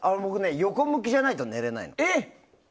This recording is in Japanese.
横向きじゃないと寝れないの。